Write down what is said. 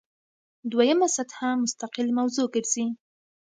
دویمه سطح مستقل موضوع ګرځي.